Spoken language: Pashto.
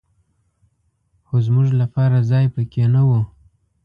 خو زمونږ لپاره ځای په کې نه و.